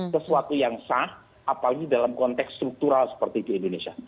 sesuatu yang sah apalagi dalam konteks struktural seperti di indonesia